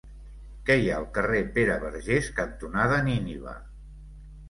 Què hi ha al carrer Pere Vergés cantonada Nínive?